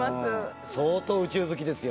相当宇宙好きですよ。